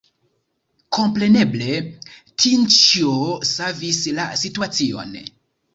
Kompreneble, Tinĉjo savis la situacion.